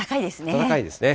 暖かいですね。